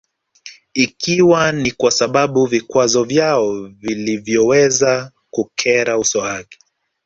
Ikiwa ni kwa sababu vikwazo vyao vilivyoweza kukera uso wake